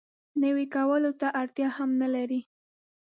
نوي کولو ته اړتیا هم نه لري.